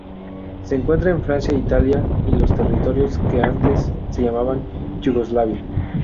Se encuentra en Francia, Italia y los territorios que antes se llamaban Yugoslavia.